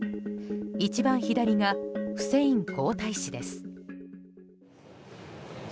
一番左がフセイン皇太子です。